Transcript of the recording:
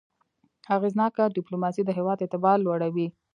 اغېزناکه ډيپلوماسي د هېواد اعتبار لوړوي.